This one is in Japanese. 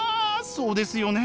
そうですよね。